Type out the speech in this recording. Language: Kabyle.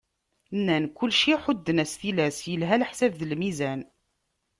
Nnan kulci ḥudden-as tilas, yelha leḥsab d lmizan.